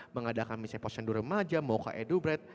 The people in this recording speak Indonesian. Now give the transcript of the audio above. mengadakan misi posyendur maja mocha edubred